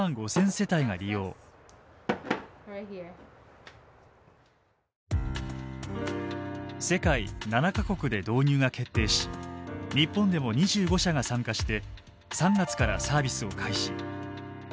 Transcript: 世界７か国で導入が決定し日本でも２５社が参加して３月からサービスを開始。